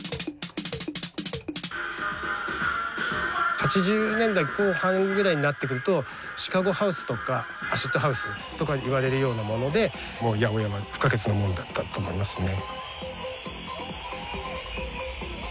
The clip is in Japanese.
８０年代後半ぐらいになってくるとシカゴハウスとかアシッドハウスとかいわれるようなものでもう８０８は不可欠なものだったと思いますね。